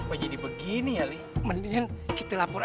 iya bener tuh sepuluh miliar